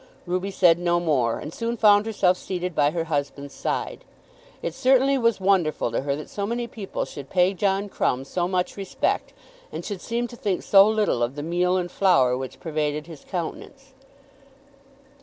Ruby said no more, and soon found herself seated by her husband's side. It certainly was wonderful to her that so many people should pay John Crumb so much respect, and should seem to think so little of the meal and flour which pervaded his countenance.